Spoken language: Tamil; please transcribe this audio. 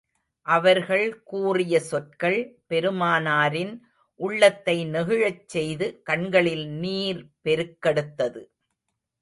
அவர்கள் கூறிய சொற்கள், பெருமானாரின் உள்ளத்தை நெகிழச் செய்து, கண்களில் நீர் பெருக்கெடுத்தது.